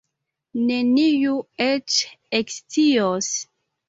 Neniu eĉ ekscios.